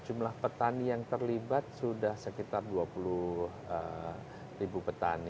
jumlah petani yang terlibat sudah sekitar dua puluh ribu petani